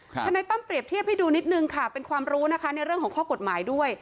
ทนายตั้มเรียบเทียบให้ดูนิดนึงค่ะเป็นความรู้นะคะในเรื่องของข้อกฎหมายด้วย